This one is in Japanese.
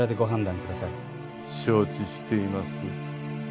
承知しています。